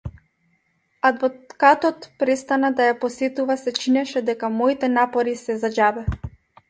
Адвокатот престана да ја посетува се чинеше дека моите напори се за џабе.